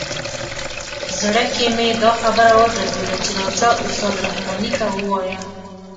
زړه کې مې دا خبره وګرځېده چې راځه استاد رحماني ته ووایه.